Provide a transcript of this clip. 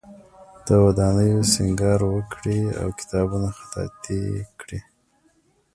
د ودانیو سینګار وکړي او کتابونه خطاطی کړي.